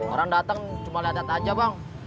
orang datang cuma lihat aja bang